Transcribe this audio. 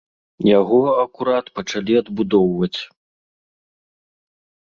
Яго акурат пачалі адбудоўваць.